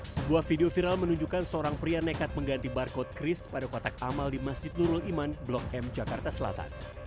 sebuah video viral menunjukkan seorang pria nekat mengganti barcode kris pada kotak amal di masjid nurul iman blok m jakarta selatan